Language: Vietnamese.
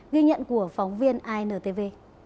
ghi nhận của phóng viên intv